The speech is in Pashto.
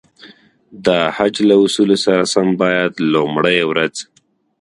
د حج له اصولو سره سم باید لومړی ورځ.